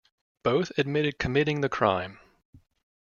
Both admitted committing the crime.